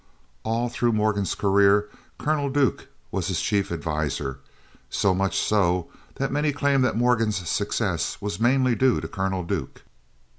All through Morgan's career Colonel Duke was his chief adviser, so much so that many claim that Morgan's success was mainly due to Colonel Duke.